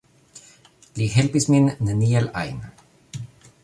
Li helpis min neniel ajn